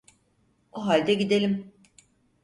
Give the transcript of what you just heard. O halde gidelim.